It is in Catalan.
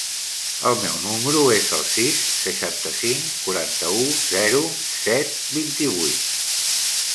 El meu número es el sis, seixanta-cinc, quaranta-u, zero, set, vint-i-vuit.